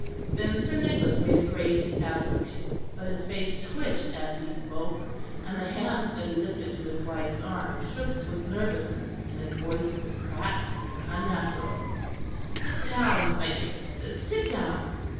Then Sir Nicholas made a great effort; but his face twitched as he spoke, and the hand that he lifted to his wife's arm shook with nervousness, and his voice was cracked and unnatural. "Sit down, my dear, sit down.